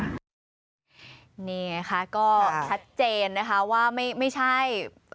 นี่ไงคะก็ชัดเจนนะคะว่าไม่ใช่